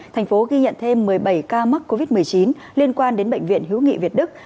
thành phố ghi nhận thêm một mươi bảy ca mắc covid một mươi chín liên quan đến bệnh viện hữu nghị việt đức